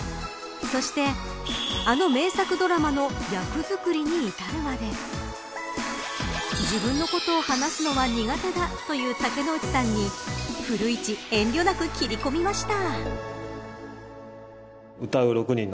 そして、あの名作ドラマの役作りに至るまで自分のことを話すのは苦手だという竹野内さんに古市、遠慮なく切り込みました。